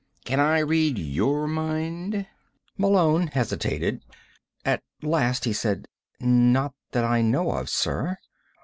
"Can I read your mind?" Malone hesitated. At last he said: "Not that I know of, sir."